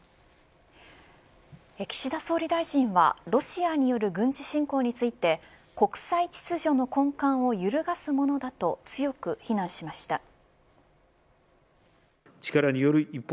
岸田総理大臣はロシアによる軍事侵攻について国際秩序の根幹を揺るがすものだと強く非難しました。